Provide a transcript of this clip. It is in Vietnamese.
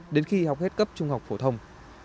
đến khi học hết cấp trung học phổ thông